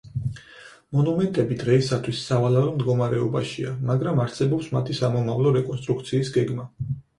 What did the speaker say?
მონუმენტები დღეისათვის სავალალო მდგომარეობაშია, მაგრამ არსებობს მათი სამომავლო რეკონსტრუქციის გეგმა.